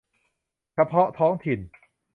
เฉพาะท้องถิ่น